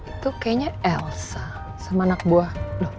itu kayaknya elsa sama anak buah loh